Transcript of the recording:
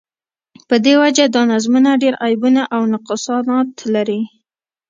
په دی وجه دا نظامونه ډیر عیبونه او نقصانات لری